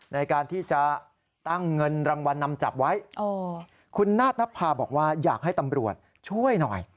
ในการที่จะตั้งเงินรางวัลนำจับไว้คุณนาฏนภาบอกว่าอยากให้ตำรวจช่วยหน่อย